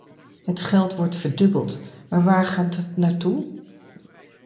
Het geld wordt verdubbeld, maar waar gaat het naartoe?